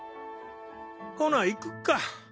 ほな行くか。